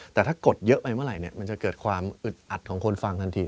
แต่ถ้ากดเยอะไปเมื่อไหร่มันจะเกิดความอึดอัดของคนฟังทันที